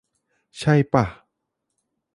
ใช่ป่ะ ?